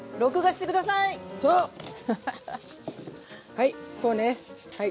はいこうねはい。